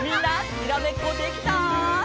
にらめっこできた？